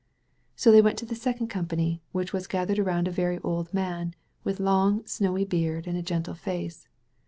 So they went to the second company, which was gathered around a very old man, with long, snowy beard and a gentle face.